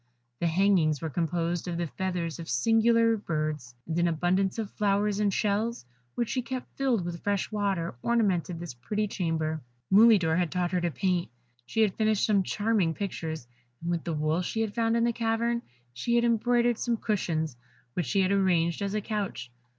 The hangings were composed of the feathers of singular birds, and an abundance of flowers in shells, which she kept filled with fresh water, ornamented this pretty chamber. Mulidor had taught her to paint; she had finished some charming pictures, and with the wool she had found in the cavern she had embroidered some cushions, which she had arranged as a couch.